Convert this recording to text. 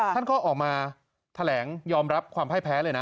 ท่านก็ออกมาแถลงยอมรับความพ่ายแพ้เลยนะ